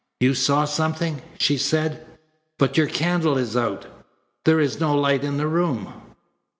"You saw something!" she said. "But your candle is out. There is no light in the room."